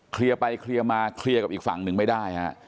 เคลียร์ไปเคลียร์มาเคลียร์กับอีกฝั่งหนึ่งไม่ได้ฮะ